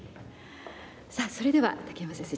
さあそれでは竹山先生